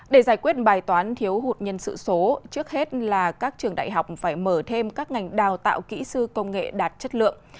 để giải quyết bài toán thiếu hụt nhân sự số trước hết là các trường đại học phải mở thêm các ngành đào tạo kỹ sư công nghệ đạt chất lượng